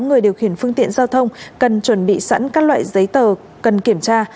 người điều khiển phương tiện giao thông cần chuẩn bị sẵn các loại giấy tờ cần kiểm tra